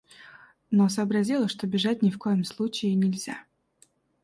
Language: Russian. Но сообразила, что бежать ни в коем случае нельзя.